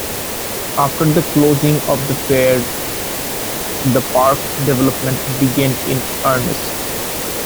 After the closing of the fair, the park's development began in earnest.